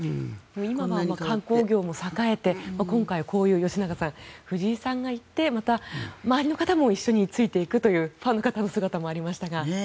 今は観光業も栄えて今回、吉永さん藤井さんが行ってまた周りの方も一緒についていくというファンの方の姿もありましたが。